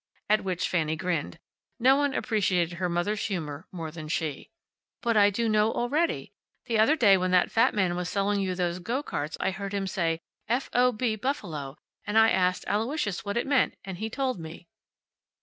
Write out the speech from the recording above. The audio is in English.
At which Fanny grinned. No one appreciated her mother's humor more than she. "But I do know already. The other day when that fat man was selling you those go carts I heard him say. `F. o. b. Buffalo,' and I asked Aloysius what it meant and he told me."